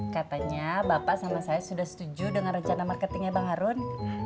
katanya bapak sama saya sudah setuju dengan rencana marketingnya bang harun